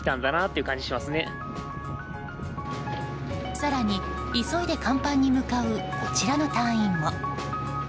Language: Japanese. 更に急いで甲板に向かうこちらの隊員も。